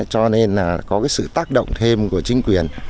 cho nên là có cái sự tác động thêm của chính quyền